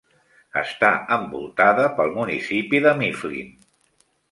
Està envoltada pel municipi de Mifflin.